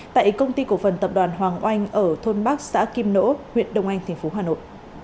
tại công ty cổ phần tập đoàn hoàng oanh ở thôn bắc xã kim nỗ huyện đông anh tp hà nội